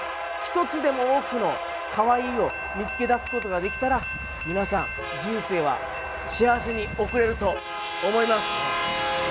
１つでも多くの可愛いを見付け出す事ができたら皆さん人生は幸せに送れると思います。